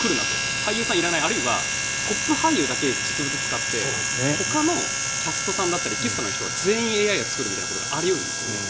俳優さん、いらないあるいはトップ俳優だけ実物を使ってほかのキャストさんやエキストラさんは全員ＡＩで作るみたいなことはあり得るんですよね。